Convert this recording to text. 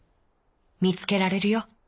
「みつけられるよ。